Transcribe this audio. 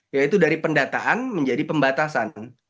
yaitu dari pendataan menjadi pembatasan